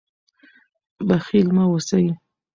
بخیل مه اوسئ.